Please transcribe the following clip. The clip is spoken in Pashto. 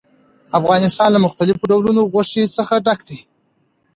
افغانستان له مختلفو ډولونو غوښې څخه ډک دی.